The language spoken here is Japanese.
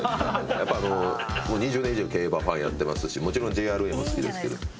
やっぱ２０年以上競馬ファンやってますしもちろんＪＲＡも好きですけど。